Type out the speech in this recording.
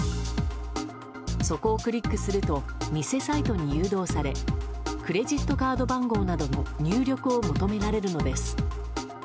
そこをクリックすると偽サイトに誘導されクレジットカード番号などの入力を求められるのです。